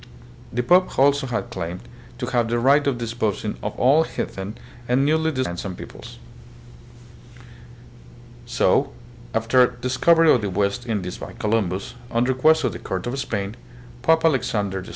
The pope had also claimed to have the right of disposing of all heathen and newly discovered lands and peoples. So, after the discovery of the West Indies by Columbus, on request of the Court of Spain, Pope Alexander VI.